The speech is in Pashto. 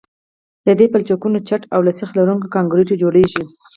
د دې پلچکونو چت له سیخ لرونکي کانکریټو جوړیږي